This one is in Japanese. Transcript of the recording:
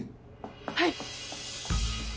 はい。